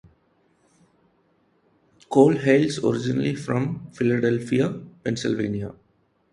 Coyle hails originally from Philadelphia, Pennsylvania.